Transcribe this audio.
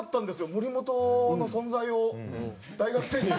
森本の存在を大学生時には。